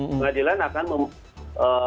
pengadilan akan memutuskan